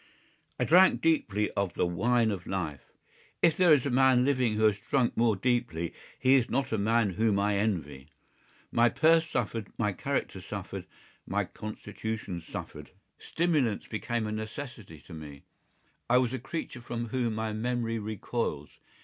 I drank deeply of the wine of life—if there is a man living who has drunk more deeply he is not a man whom I envy. My purse suffered, my character suffered, my constitution suffered, stimulants became a necessity to me, I was a creature from whom my memory recoils.